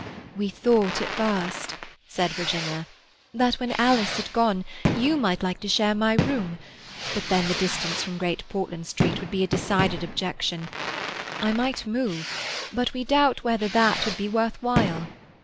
"We thought at first," said Virginia, "that when Alice had gone you might like to share my room; but then the distance from Great Portland Street would be a decided objection. I might move, but we doubt whether that would be worth while.